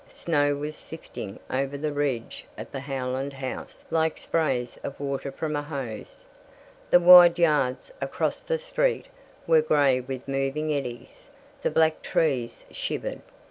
Snow was sifting over the ridge of the Howland house like sprays of water from a hose. The wide yards across the street were gray with moving eddies. The black trees shivered.